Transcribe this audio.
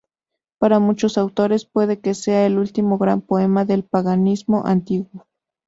Para muchos autores, puede que sea el último gran poema del paganismo antiguo.